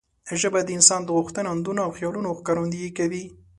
ژبه د انسان د غوښتنې، اندونه او خیالونو ښکارندويي کوي.